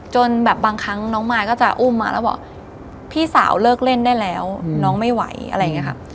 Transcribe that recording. จนแบบบางครั้งน้องมายก็จะอุ้มมาแล้วบอกพี่สาวเลิกเล่นได้แล้วน้องไม่ไหวอะไรอย่างนี้ค่ะ